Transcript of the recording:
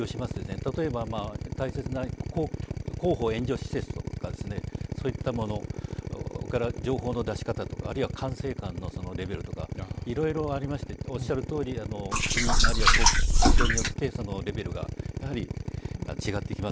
例えば後方援助施設とかそういったものから情報の出し方とかあるいは管制官のレベルとかいろいろ、ありましておっしゃるとおり国、あるいは空港によってそのレベルが違ってきます。